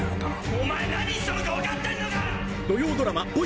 お前何したのか分かってんのか